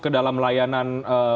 ke dalam layanan